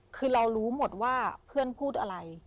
คือเรารู้หมดว่าเพื่อนพูดอะไร